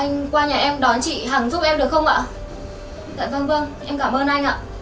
anh qua nhà em đón chị hẳn giúp em được không ạ